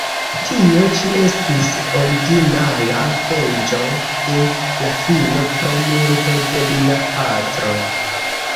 Tio ĉi estis originala venĝo de la filo pro murdo de lia patro.